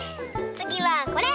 つぎはこれ！